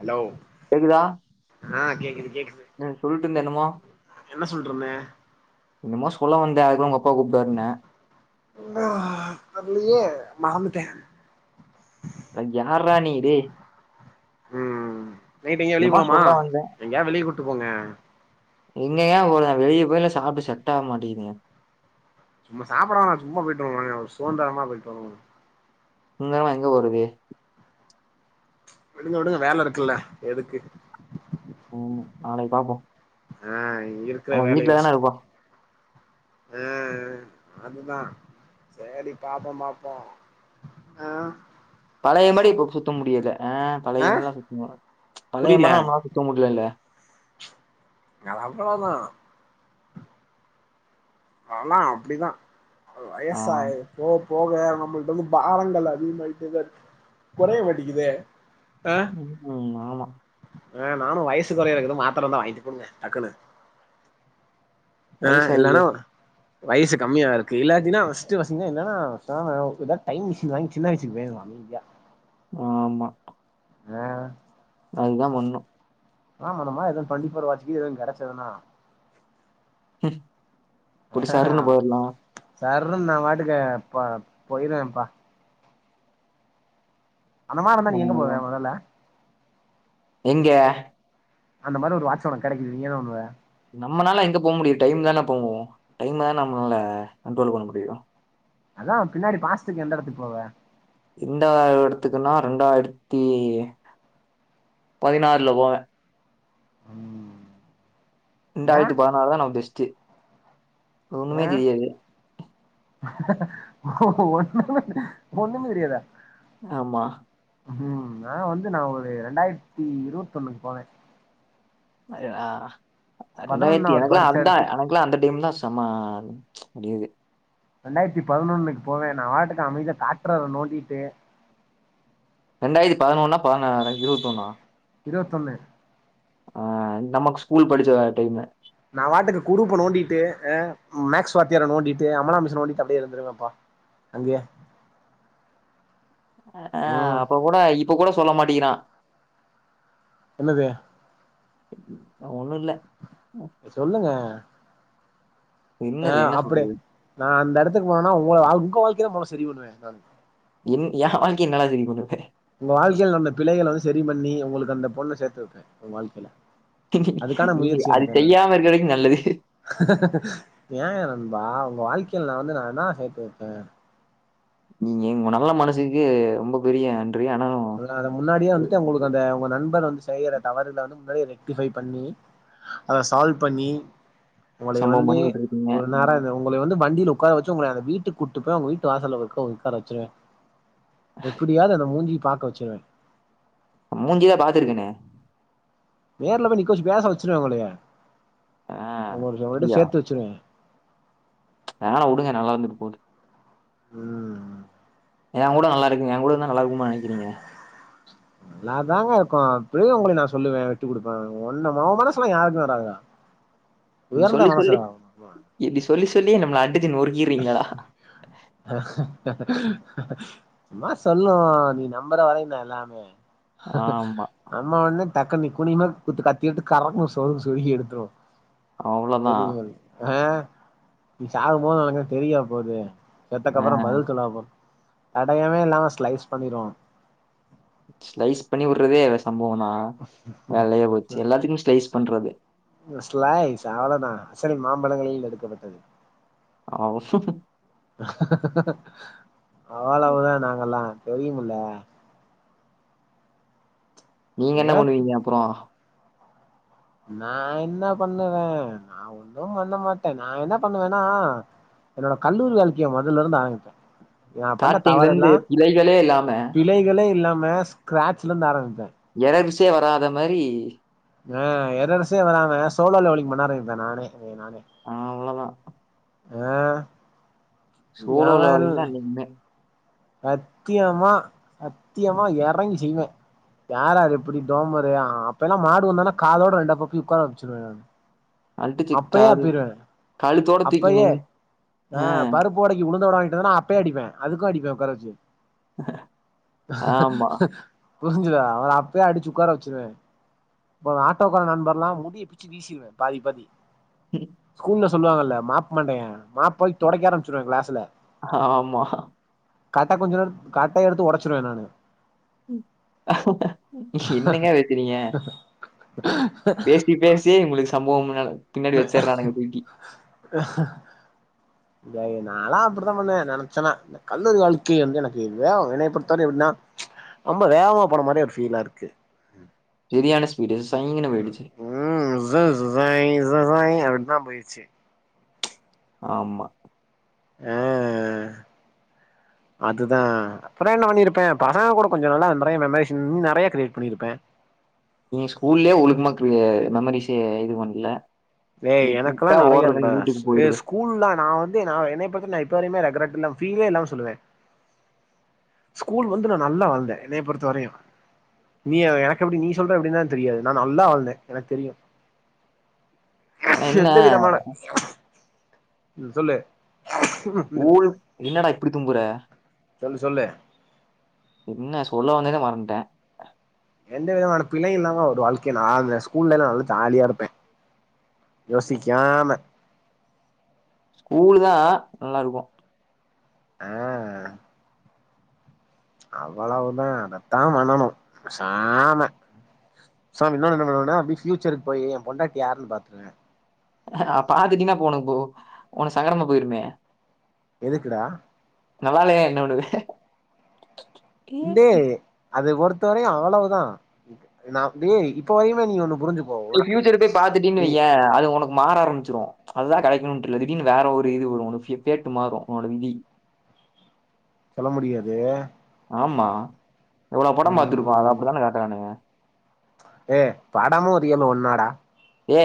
Allow கேக்குதா அ சொல்ட்டிந்த என்னமோ என்ன சொல்ட்ருந்தே என்னமோ சொல்ல வந்தே அதுக்குள்ள உங்க அப்பா கூப்ட்டாருன்ன நாஹா வர்லியே மறந்துட்டே அ யார்ரா நீ டே ம் நைட்டு எங்ய வெளிய என்னமோ போலாமா சொல்ல வந்த எங்கயா வெளிய கூட்டு போங்க இங்கயா போலா வெளிய போய் நா சாப்ட்டு செட் ஆக மாட்டேங்கிதுய ச்சுமமா சாப்படா நா ச்சுமமா போய்ட்டு வல்லா நாகு சோன் தரம்மா போய்ட் வரவல்ல இங்னா எங்க போரதே விடுங்க விடுங்க வேல ருக்குல்ல எதுக்கு உம் நாளை பாப்போ ஆ இரு நம்ம வீட்லதான இருக்கோ ம் அதுதா சேரி பாப்போ, பாப்போ, ஆ சோ பழையப்படி இப்ப சுத்த முடியல ஆ, ஆ பழைய மாரில்லா சுத்த முடில பழைய புரில மாரில்லா நம்மளால சுத்த முடியலல்ல அது அவ்வளோதா அதெல்லா அப்படிதா வயசு ஆஹ் ஆயி போ போக நம்மள்ட்ட வந்து பாரங்கள் அதிகமாயிட்டேதா இருக்கு கொறைய மாட்டிங்கிதே ம், ம், ஆமா ஆ, நானு வயசு கொறையறதுக்கு எதும் மாத்திர இருந்த வாங்கிட்டு போங்க டக்குன்னு ஆ இல்லன்னா வயசாகுது வயசு கம்மியா இருக்கு இல்லாட்டினா ஃபர்ஸ்ட் கொஸ்டினே என்னன்னா நம்ம எதா டைம் மெஷின் வாங்கி சின்ன வயசுக்கு போயிடனு அமைதியா ஆமா அ அதுதா பண்ணு அதா பண்ணுமா ஏதும் டுவென்டிஃபோர் வாட்ச் கீது ஏதும் கெடைச்சதுன்னா ஹம், இப்படி அஹஹ சருன்னு போயிடலாம் சர்ருன்னு நா பாட்டுக்கு ப போயிடுவேப்பா அந்த மாரி இருந்தா நீ எங்க போவ அவ்வளவுதான். மொதல்ல எங்க அந்த மாரி ஒரு வாட்ச் ஒனக்கு கெடைக்குது நீ என்ன பண்ணுவ நம்மனால எங்க போ முடியு? டைம்தான போவு, டைமுதா நம்மள கண்ட்ரோல் பண்ண முடியு அதா பின்னாடி பாஸ்டுக்கு எந்த எடத்துக்கு போவ எந்த எடத்துக்குன்னா இரெண்டாயிரத்தி பதினாறுல போவே ம் ஏ இரெண்டாயிரத்தி பதினாறு நமக்கு பெஸ்ட்டு ஏ ஒண்ணுமே தெரியாது. ஓ ஒன்னுமே ஒன்னுமே தெரியாதா ஆமா ம், நா வந்து நா ஒரு ரெண்டாயிரத்தி இருபத்தொன்னுக்கு போவே அது ஆ ரெண்டாயிரத்தி பதினொன்னாவது எனக்குலா படிச்ச அதுதா இடத்துக்கு க்குலா அந்த டைம்தா செம, முடியாது ரெண்டாயிரத்தி பதினொன்னுக்கு போவே நா பாட்டுக்கு அமைதியா காட்டுறத நோண்டிட்டு ரெண்டாயிரத்தி பதினொன்னா பதினா இருபத்தி ஒன்னா இருவத்தொன்னு ஆ, நமக்கு ஸ்கூல் படிச்ச டைம்மு நா பாட்டுக்கு குருப்ப நோண்டிட்டு அ மேக்ஸ் வாத்தியார நோண்டிட்டு அமலா மிஸ்ஸ நோண்டிட்டு அப்டியே இருந்துருவேன்ப்பா அங்கயே ஆ ம் அப்ப கூட இப்ப கூட சொல்ல மாட்டிங்கிறா என்னது ஒண்ணு இல்ல சொல்லுங்க ஆ என்னது என்ன அப்டியே சொல்றது? நா அந்த எடத்துக்கு போனேனா உங்க அ உங்க வாழ்க்கைதா மொதல்ல சரி பண்ணுவ நானு என் எ வாழ்க்கைய என்னடா சரி பண்ணுவ உங்க வாழ்க்கைல நடந்த பிழைகள வந்து சரி பண்ணி உங்களுக்கு அந்த பொண்ண சேத்து வைப்பே உங்க வாழ்க்கையில அதுக்கான நீ முயற்சி அது எடுப்பே நானு செய்யாம இருக்கிறவைக் நல்லது ஏ நண்பா உங்க வாழ்க்கையில் நான் வந்து நா என்னா செய் போட்டே நீங்க உங்க நல்ல மனசுக்கு ரொம்ப பெரிய நன்றி ஆனா அத நா அத முன்னாடியே வந்துட்டு உங்களுக்கு அந்த உங்க நண்பர் வந்து செய்யற தவறுல வந்து முன்னாடியே ரெக்டிஃபை பண்ணி அத சால்வ் பண்ணி உங்களுக்கு சம்பவம் வந்து பண்ணிக்கிட்டு இருக்கீங்க. ஒரு நேர இந்த உங்களை வந்து வண்டில்ல உட்கார வச்சு உங்களை வீட்டுக் கூப்ட்டு போய் உங்க வீட்டு வாசல்ல உக்க உக்கார வச்சுருவ எப்டியாது அந்த மூஞ்சி பாக்க வச்சுருவே மூஞ்சிதா பாத்துருக்கேனே நேரல போய் நிக்க வச்சு பேச வச்சுருவே உங்களைய ஆ உங்க உங்களிட்ட அப்டியா சேர்த்து வச்சிருவே வேனா உடுங்க நல்லா இருந்துட்டு போது ம் எ கூட நல்லா இருக்கு எ கூட இருந்தா நல்ல இருக்குமா நெனைக்கிறீங்க ல்லாதாங்க க்கு இப்பவே உங்கள நா சொல்லுவே ட்டு குடுப்பே ஒன்ன ம மனசல்லா யாருக்கு வறாதுடா இப்டி சொல்லி சொல்லி இப்டி சொல்லி சொல்லி நம்மள அடுச்சு நொறுக்குறீங்களா ஆ சும்மா சொல்லுவோ நீ நம்பற வரையு தா எல்லாமே ஆமா ம்மா ஒன்னே டக்குன் நீ குனிமா குத்து கத்தி எடுத்து கறங்கு ஒரு சொருகு சொருகி எடுத்துரு அவ்ளோதா தெரியு ஆ நீ சாகும்போ உனக்கு தெரியா போது ஆ செத்தக்கப்புற பதில் சொல்லாம தடையமே இல்லாம ஸ்லைஸ் பண்ணிருவோ ஸ்லைஸ் பண்ணி உற்றதே சம்பவன்னா வேலையே போச்சு எல்லாத்துக்கு ஸ்லைஸ் பண்றது ஸ்லைஸ் ச அவலதா அசல் மாம்பழங்களில் எடுக்கப்பட்டது ஆ சு அவ்வளவுதா நாங்கல்லா தெரியும்முல்ல நீங்க என்ன நேத்து பண்ணுவீங்க அப்புறோ நா என்ன பண்ணுவே நா ஒன்னு பண்ண மாட்டே நா என்ன பண்ணுவேன்னா என்னோட கல்லூரி வாழ்க்கைய மொதல்ல இருந்து ஆரம்பிப்பே நா பண்ண ஸ்டார்ட்டிங்ல இருந்து தவறெல்லா பிழைகளே இல்லாம பிழைகளே இல்லாம ஸ்க்கிராட்சுல இருந்து ஆரம்பிப்பே எறட்சியே வராத மாரி ஆ எறற்சியே வராமா சோலார்ல ஒளி பண்ணாரிப்பே நானே நானே ஆ அவ்ளதா ஆ சூலூர்ல எவன் வந்திங்னா நிம்மே சத்தியமா சத்தியமா எறங்கி செய்வே யார்யாரு இப்படி டோமரு அப்ப எல்லா மாடு வந்தானா காதோட ரெண்டு அப்பு அப்பி உக்கார வச்சிருவே அடிச்சு அப்பயே கழு அப்பிருவே கழுத்தோட தூக்கி அப்பயே நின் ஆ பருப் ப்பு வடைக்கு உளுந்த வட வாங்கிட்டான அப்பேயே அடிப்பே அதுக்கு அடிப்பே உட்கார வச்சு ஆமா புரிஞ்சுதா அவர அப்பயே அடிச்சு உக்கார வச்சுருவ ப ஆட்டோக்கார நண்பர்லா முடிய பிச்சு வீசிருவே பாதி பாதி ஸ்கூல்ல சொல்லுவாங்கல்ல மாப் மண்டையே மாப் போய் தொடைக்க ஆரம்பிச்சுருவ கிளாஸ்சுல ஆமா கட்ட கொஞ்ச நேர கட்டை எடுத்து ஒடச்சுருவே நானு என்னங்க வெக்குறீங்க பேசி பேசியே உங்களுக்கு சம்பவோ மேல [unintelligible] இங்காரு நால்லா அப்படித்தா பண்ணுவ நெனச்சன்னா இந்த கல்லூரி வாழ்க்கை வந்து எனக்கு இதுவே என்னை பொறுத்தவரையு எப்பின்னா ரொம்ப வேகமாக போன மாறியே ஒரு ஃபீலா இருக்கு சரியான ஃபீஸ்டு சொயின்னு போயிடிச்சு உம் ஸ்சுசொயின் இஸ்சுசொயின் அப்டிதா போயிடிச்சு ஆமா அ அதுதா அப்புறோ என்ன பண்ணிருப்பே பசங்க கூட கொஞ்சோ நல்லா நெறைய மெமரீஸ் இன்னும் நெறைய கிரியேட் பண்ணிருப்பே நீ ஸ்கூல்லயே ஒழுக்கமாக்கு மெமரிஸ்சு இது பண்ல டேய் எனக்கெல்லா நெறையா இருக்குடா ஏ போயிருவேன். ஸ்கூ ல்ல நா வந்து நா என்னைய பொறுத்த வரை நா இப்ப வரையுமே [unintelligible] ஃபீலே இல்லாம சொல்லுவே ஸ்கூல் வந்து நா நல்லா வாழ்ந்தே என்னைய பொறுத்த வரையு நீ எனக்கு எப்படி நீ சொல்ற எப்படினு தா தெரியாது நா நல்லா வாழ்ந்தே எனக்கு தெரியு ஆனா என்ன எந்த விதமான ம் சொல்லு ஊல் என்னடா இப்பிடி தும்புற சொல்லு சொல்லு என்ன சொல்ல வந்ததே மறந்துட்டே எந்த விதமான பிழை இல்லாம ஒரு வாழ்க்கைய நா வாழ்ந்துட்டே ஸ்கூல்ல எல்லா நல்லா ஜாலியா இருப்பே யோசிக்காம ஸ்கூலு தா நல்லா இருக்கும் அ அவ்வளவுதா அதத்தா பண்ணணும் பேசாம பேசாம இன்னொன்னு என்ன பண்ணுவன்னா அப்டியே ஃப்யூச்சருக்கு போயி என் பொண்டாட்டி யாருன்னு பாத்துருவ அ அ பாத்துட்டியினா அப்ப உனக்கு போ உனக்கு சங்கடமா போயிருமே எதுக்குடா நல்லாயில்லையா என்ன பண்ணுவ டே அது பொருத்த வரையு அவ்வளவுதா நா டேய் இப்ப வரையுமே நீ ஒண்ணு புரிஞ்சு நீ ஃபியூச்சர போய் பாத்திட்டன்னு வையே அது உனக்கு மாற ஆரம்பிச்சுரும் அதுதா கிடைக்கணுன்ட்டு இல்ல திடீர்னு வேற ஒரு இது வரும் உன் ப்ளேட்டு மாறும் உனோட விதி சொல்ல முடியாது ஆமா எவ்ளோ படோ பாத்துருக்கோ அதுல ம் அப்படித்தானே காட்றானுங்க டே படமு ரியலு ஒன்னாடா ஏ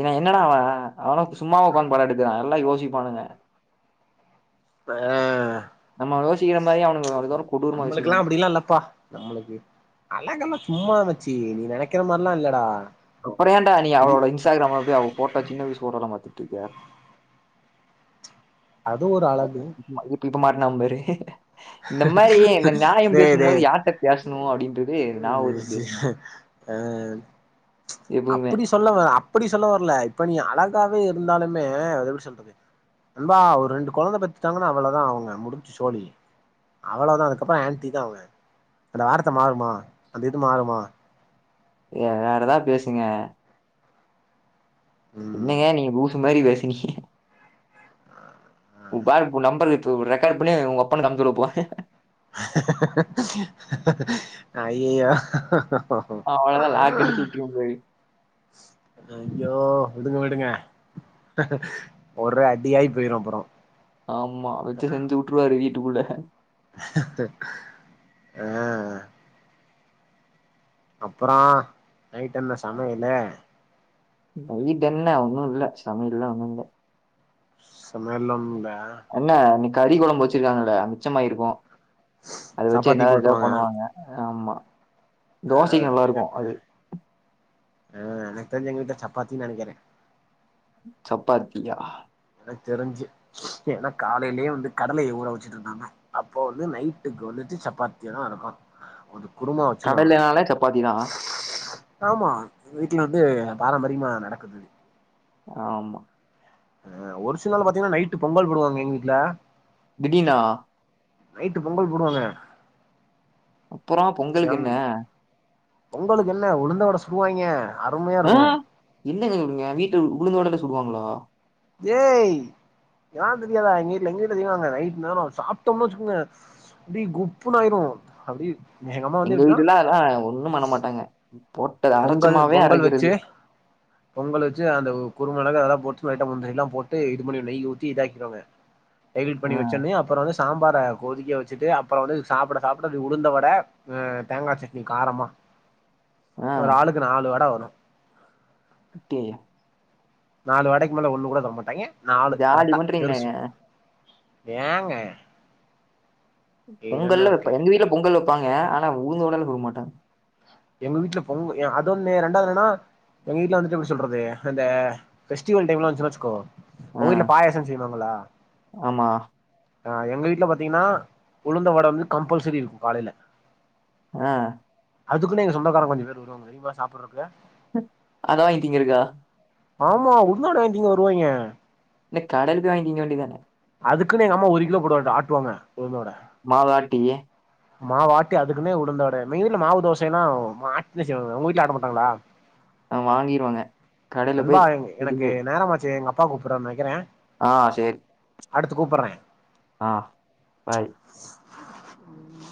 பின்ன என்னடா அவன் அவனு சும்மாவா உக்காந்து படம் எடுக்கறா எல்லா யோசிப்பானுங்க ஃப்பே நம்ம யோசிக்கிற மாறி அவனுங்க இவ்ள தூரோ நம்மளுக்குகெல்லா அப்படில்லா இல்லப்பா நம்மளுக்கு அழகெல்லா சும்மா மச்சி நீ நினைக்கிற மாறில்லா இல்லடா அப்பறோ ஏன்டா நீ அவளோட இன்ஸ்டாகிராம்ல போயி அவ போட்டோ சின்ன வயசு போட்டோ எல்லா பாத்துட்டு இருக்க அது ஒரு அழகு இப்ப இப்ப மாட்னா பாரு இந்த மாறி இந்த ஞாயம் டேய் பேசும் போது டேய் யார்ட்ட பேசணு அப்படின்றது ஞாபகம் வச்சு பேசணு அ எப்பவுமே சொல்ல வ அப்டி சொல்ல வரல இப்ப நீ அழகாவே இருந்தாலுமே அது எப்டி சொல்றது நண்பா ஒரு ரெண்டு கொழந்தை பெத்துட்டாங்கன்னா அவ்ளோதா அவங்க முடிஞ்சு சோழி அவ்வளதா அதுக்கப்புற ஆன்டி தா அவங்க அந்த வார்த்தை மாறுமா அந்த இது மாறுமா ஏ வேற ஏதாவ பேசுங்க ம் என்னங்க நீங்க லூசு மாரி பேசறீங்க உ பாரு இப்ப உ நம்பர் இப்ப ரெக்கார்டு பண்ணி வொங்கப்பண்ணுக்கு அனுப்பி விடற போ அய்யையோ அவ்ளதா லாக் எடுத்து விட்டுருவோ போயி ஐய்யோ விடுங்க விடுங்க ஒரே அடியாயி போயிரு அப்பறோ ஆமா வெச்சு செஞ்சு உட்டுருவாரு வீட்டுக்குள்ள ஆ அப்புறோ நைட்டென்ன சமையலு நைட்டென்ன ஒண்ணு இல்ல சமையல்ல ஒண்ணு இல்ல சமையல்ல ஒன்னுமில்ல என்ன இன்னைக்கி கறி கொழம்பு வச்சிருங்காங்கள மிச்சமாயிருக்கு அத வச்சு சப்பாத்தி என்னாவது ஏதாது போட்ருவாங்க பண்ணுவாங்க ஆமா ஆ தோசைக்கு நல்லா இருக்கு அது ஆ எனக் தெரிஞ்சு எங்வீட்ல சப்பாத்தினு நெனக்கிறே சப்பாத்தியா எனக்கு தெரிஞ்சு ஏனா காலையிலயே வந்து கடலைய ஊற வச்சுட்டு இருந்தாங்க அப்போ வந்து நைட்டுக்கு வந்துட்டு சப்பாத்தியாதா இருக்கு குரும்மா வச்சுருவாங்க கடலைனாலே சப்பாத்தி தான் ஆமா வீட்ல வந்து பாரம்பரியமா நடக்குது ஆமா அ ஒரு சில நாள் பாத்தீங்கன்னா நைட்டு பொங்கல் போடுவாங்க எங்க வீட்ல திடீனா நைட்டு பொங்கல் போடுவாங்க அப்புற பொங்கலுக்கு என்ன பொங்களுக்கு என்ன உளுந்தவட சுடுவாயிங்க ஆ என்னங்க சொல்றீங்க வீட்டுல உளுந்த வடல சுடுவாங்களா ஏய் எனா தெரியாதா எங்க வீட்ல எங்க வீட்டு செய்வாங்க நைட்டு் நேரோ சாப்பிட்டோம்னு வச்சுக்கோங்க அப்டி குப்புனாயிரு அப்டி அம்மா வந்து எங்க எப்டின்னா வீட்டு எல்லா அதா ஒண்ணும் பண்ண மாட்டாங்க போட்டது பொங்கல் அரச்சமாவே பொங்கல் வச்சு அரைக்கிறது பொங்கல் வச்சு அந்த குறுமிளகு அதுல போட்டு லைட்டா முந்திரி எல்லா போட்டு இது பண்ணி நெய் ஊத்தி இதாக்கிறவாங்க எடிட் பண்ணி ஆ வச்சவுனே அப்பற வந்து ஸ் சாம்பார கொதிக்க வச்சுட்டு அப்புற வந்து சாப்பிட சாப்பிட அது உளுந்த வட அ தேங்கா சட்னி காரமா ஆ ஒரு ஆளுக்கு நாலு வட வரு டீ நாலு வாடைக்கு மேல ஒண்ணு கூட தரமாட்டேய்ங்க நாலு ஜாலி கரெக்டா பண்றீங்களே பெருசு ஏங்க இதுல என்ன பொங்கல்ல இருக்கு வப்ப எங்க வீட்ல பொங்கல் வப்பாங்க ஆனா உளுந்து வடயெல்லா சுட மாட்டாங்க எங்க வீட்ல பொங்கு அது ஒண்ணு ரெண்டாது என்னன்னா எங்கவீட்ல வந்துட்டு எப்டி சொல்றது அந்த பெஸ்டிவல் டைம்லா வந்துச்சு வெச்சுக்கோ உங் வீட்ல பாயாச செய்வாங்களா மா அ எங்க வீட்ல பாத்தீங்கன்னா உளுந்த வட வந்து கம்பல்சரி இருக்கு காலையில ஆ அதுக்குள்ள எங்க சொந்தக்காரங்க கொஞ்ச பேர் வருவங்காங்க தெரியுமா சாப்பறதுக்கு அத வாங்கி திங்கருக்கா ஆமா உளுந்த வட வாங்கி திங்க வருவாய்ங்க என்ன கடைல போய் வாங்கி திங்க வேண்டிதான அதுக்குன்னு எங்க அம்மா ஒரு கிலோ போட்டு ஆட்டுவாங்க உளுந்த வட மாவாட்டி மாவாட்டி அதுக்குன்னே உழுந்தோட எங்க வீட்ல மாவு தோசைல்லா மா ஆட்டி தான் செய்வாங்க உங்க வீட்ல ஆட்ட மாட்டாங்களா ஆ வாங்கிருவாங்க கடைல நண்பா போய் எனக்கு ரெடிமேட் நேரமாச்சு எங்க அப் ப்பா கூப்றாருன்னு நினக்கிறே ஆ சேரி அடுத்து கூப்பட்றே ஆஹ் பாய் ம்